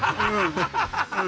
ハハハハ！